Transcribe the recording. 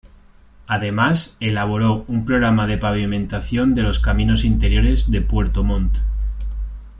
Además, elaboró un programa de pavimentación de los caminos interiores de Puerto Montt.